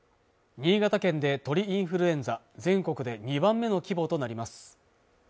新潟県で鳥インフルエンザ全国で２番目の規模となります